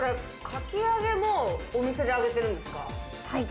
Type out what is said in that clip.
かき揚げも、お店で揚げてるんではい。